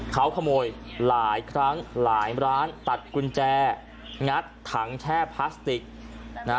เขาขโมยหลายครั้งหลายร้านตัดกุญแจงัดถังแช่พลาสติกนะ